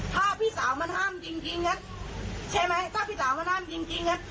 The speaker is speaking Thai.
ถ้าพี่สาวมันห้ามจริงจริงงั้นใช่ไหมถ้าพี่สาวมาห้ามจริงจริงอ่ะ